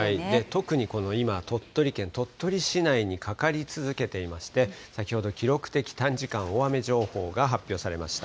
特にこの今、鳥取県、鳥取市内にかかり続けていまして、先ほど記録的短時間大雨情報が発表されました。